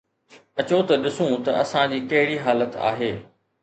اچو ته ڏسون ته اسان جي ڪهڙي حالت آهي.